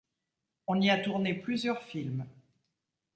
On y a tourné plusieurs films.